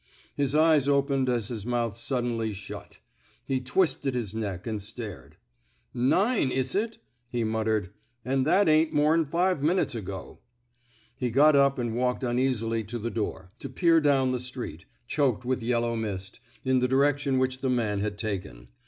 His eyes opened as his mouth suddenly ♦ shut. He twisted his neck, and stared. 67 f, THE SMOKE EATERS ^^ Nine iss iti '' he muttered. *' An' that ain't more'n five minutes ago.'' He got up and walked uneasily to the door, to peer down the street — choked with yellow mist — in the direction which the man had taken.